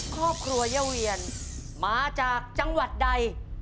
ครอบครัวย่าเวียนมาจากจังหวัดใด